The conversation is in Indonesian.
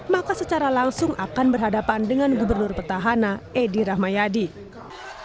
maka secara langsung akan berhadapan dengan gubernur petahana edi rahmayadi